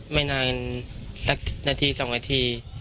ไม่นานสักนาที๒นาที